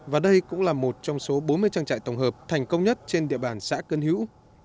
và đây cũng là một trong số bốn mươi trang trại tổng hợp thành công nhất trên địa bàn xã cân hũ